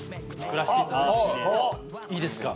いいですか？